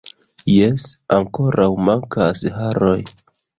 Jes, ankoraŭ mankas haroj